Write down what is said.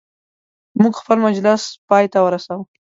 موږ خپل مجلس پایته ورساوه.